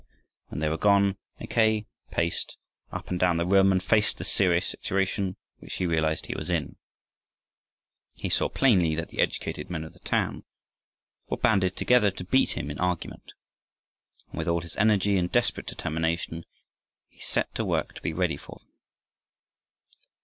When they were gone Mackay paced up and down the room and faced the serious situation which he realized he was in. He saw plainly that the educated men of the town were banded together to beat him in argument. And with all his energy and desperate determination he set to work to be ready for them.